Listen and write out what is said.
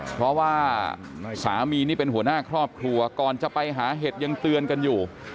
เพราะว่าสามีนี่เป็นหัวหน้าครอบครัวก่อนจะไปหาเห็ดยังเตือนกันอยู่